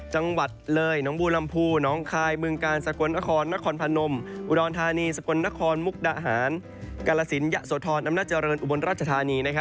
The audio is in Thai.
จังหวัดเลยน้องบูลำพูน้องคายเมืองกาลสกลนครนครพนมอุดรธานีสกลนครมุกดาหารกาลสินยะโสธรอำนาจเจริญอุบลราชธานี